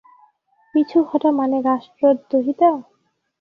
পিছু হটা মানে রাষ্ট্রদ্রোহিতা!